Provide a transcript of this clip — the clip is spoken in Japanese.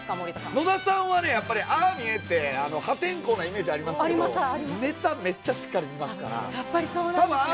野田さんは、やっぱり、ああ見えて、破天荒なイメージありますけど、ネタ、めっちゃしっやっぱりそうなんだ。